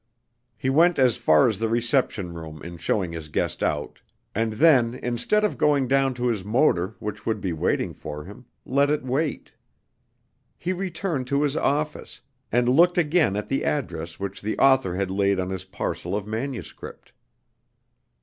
He went as far as the reception room in showing his guest out; and then instead of going down to his motor, which would be waiting for him, let it wait. He returned to his office, and looked again at the address which the author had laid on his parcel of manuscript.